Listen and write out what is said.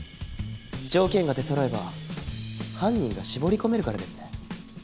条件が出そろえば犯人が絞り込めるからですね。